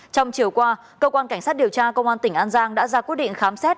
trong chiều qua cơ quan cảnh sát điều tra công an tỉnh an giang đã ra quyết định khám xét